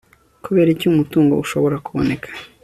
kuberiki umutungo ushobora kuboneka